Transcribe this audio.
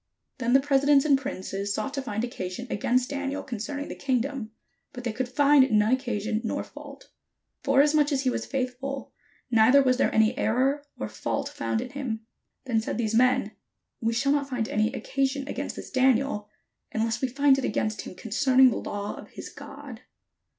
Then the presidents and princes sought to find occa sion against Daniel concerning the kingdom; but they could find none occasion nor fault ; forasmuch as he was faithful, neither was there any error or fault found in him. Then said these men, "We shall not find any occa sion against this Daniel, except we find it against him concerning the law of his God."